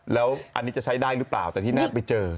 แล้วอันนี้จะใช้ได้หรือเปล่าแต่ที่น่าไปเจอ